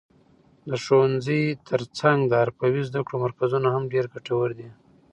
د ښوونځي تر څنګ د حرفوي زده کړو مرکزونه هم ډېر ګټور دي.